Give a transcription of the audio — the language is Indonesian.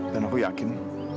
dan aku yakin